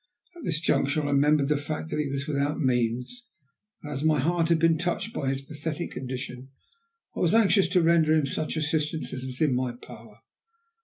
At this juncture I remembered the fact that he was without means, and as my heart had been touched by his pathetic condition, I was anxious to render him such assistance as was in my power.